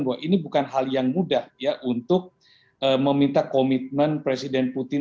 bahwa ini bukan hal yang mudah ya untuk meminta komitmen presiden putin